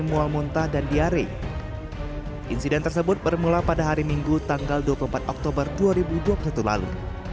mual muntah dan diare insiden tersebut bermula pada hari minggu tanggal dua puluh empat oktober dua ribu dua puluh satu lalu